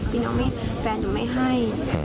พี่น้องแฟนก็ไม่ให้